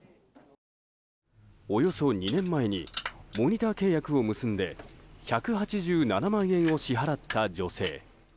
およそ２年前にモニター契約を結んで１８７万円を支払った女性。